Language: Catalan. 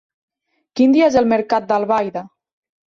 Quin dia és el mercat d'Albaida?